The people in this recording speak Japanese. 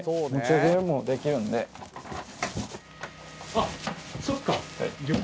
あっそっか。